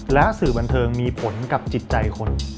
และสื่อบันเทิงมีผลกับจิตใจคน